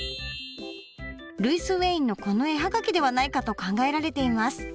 ルイス・ウェインのこの絵葉書ではないかと考えられています。